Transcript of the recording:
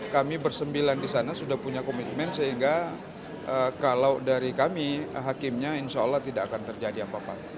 kami bersembilan di sana sudah punya komitmen sehingga kalau dari kami hakimnya insya allah tidak akan terjadi apa apa